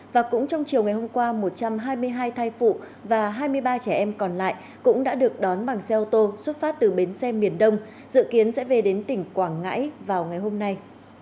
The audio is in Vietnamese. và cũng trong chiều ngày hôm qua một trăm hai mươi hai thai phụ và hai mươi ba trẻ em còn lại cũng đã được đón bằng xe ô tô xuất phát từ bến xe miền đông dự kiến sẽ về đến tỉnh quảng ngãi vào ngày hôm nay